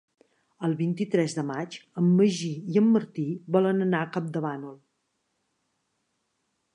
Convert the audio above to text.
El vint-i-tres de maig en Magí i en Martí volen anar a Campdevànol.